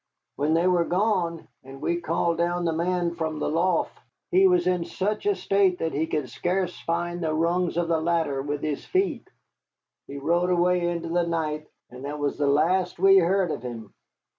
When they were gone, and we called down the man from the loft, he was in such a state that he could scarce find the rungs of the ladder with his feet. He rode away into the night, and that was the last we heard of him.